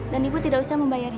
dan ibu tidak usah membayar ini